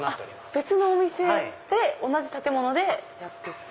別のお店で同じ建物でやってる。